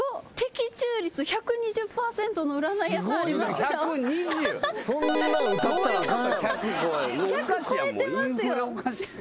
１００超えてますよ。